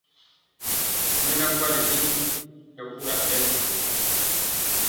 Mɛ naa kwali ɗe mɛbura pɛnɔ.